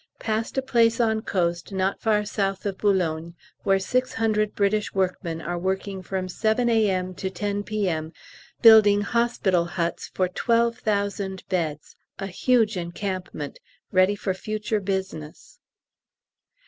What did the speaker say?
Passed a place on coast not far S. of B., where six hundred British workmen are working from 7 A.M. to 10 P.M. building hospital huts for 12,000 beds, a huge encampment, ready for future business.